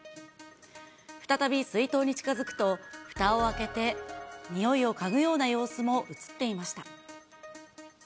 再び水筒に近づくと、ふたを開けてにおいを嗅ぐような様子も写っていました。